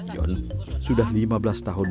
yon sudah lima belas tahun